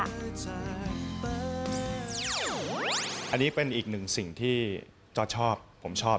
อันนี้เป็นอีกหนึ่งสิ่งที่จอร์ดชอบผมชอบ